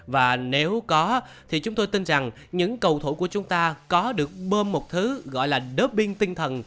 và nếu có thì chúng tôi tin rằng những cầu thủ của chúng ta có được bơm một thứ gọi là đớp biên tinh thần